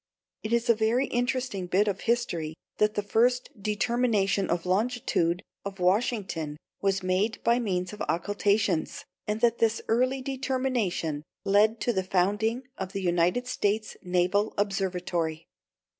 It is a very interesting bit of history that the first determination of the longitude of Washington was made by means of occultations, and that this early determination led to the founding of the United States Naval Observatory.